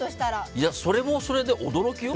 いや、それもそれで驚きよ？